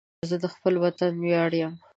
زه د خپل وطن ویاړ یم